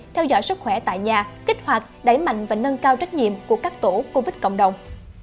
theo dõi sức khỏe tại nhà kích hoạt đẩy mạnh và nâng cao trách nhiệm của các tổ covid cộng đồng